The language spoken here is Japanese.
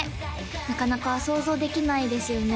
なかなか想像できないですよね